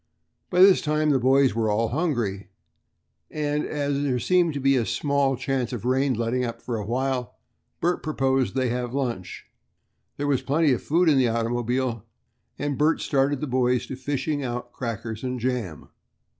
By this time the boys were all hungry, and as there seemed to be a small chance of the rain letting up for a while, Bert proposed that they have lunch. There was plenty of food in the automobile, and Bert started the boys to fishing out crackers and jam.